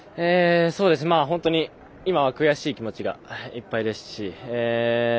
本当に今は悔しい気持ちが、いっぱいですし。